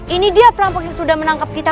ini dia perampok yang sudah menangkap kita